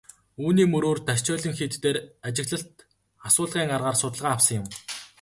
Үүний мөрөөр Дашчойлин хийд дээр ажиглалт асуулгын аргаар судалгаа авсан юм.